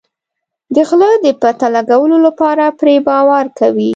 د غله د پته لګولو لپاره پرې باور کوي.